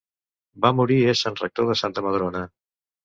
Va morir essent rector de Santa Madrona.